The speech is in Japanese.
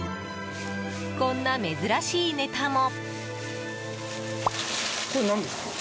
こんな珍しいネタも。